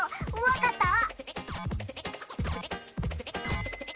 わかった？